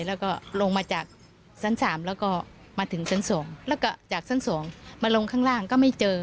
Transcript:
แล้วก็ลงมาจากชั้น๓แล้วก็มาถึงชั้น๒แล้วก็จากชั้น๒มาลงข้างล่างก็ไม่เจอ